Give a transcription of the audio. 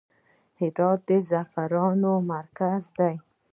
هرات د زعفرانو مرکز دی